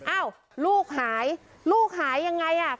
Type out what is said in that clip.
อ้าวลูกหายลูกหายยังไงอ่ะ